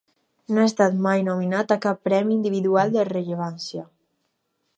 No ha estat mai nominat a cap premi individual de rellevància.